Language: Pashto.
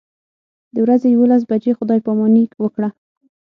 د ورځې یوولس بجې خدای پاماني وکړه.